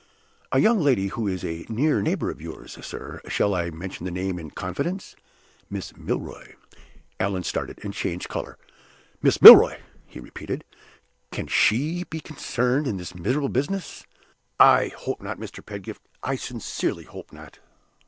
"A young lady who is a near neighbor of yours, sir. Shall I mention the name in confidence? Miss Milroy." Allan started, and changed color. "Miss Milroy!" he repeated. "Can she be concerned in this miserable business? I hope not, Mr. Pedgift; I sincerely hope not."